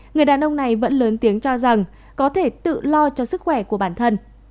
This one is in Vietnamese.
người đàn ông này vẫn lớn tiếng cho rằng có thể tự lo cho sức khỏe của bản thân